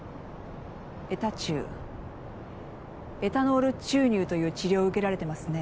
エタ注エタノール注入という治療を受けられてますね？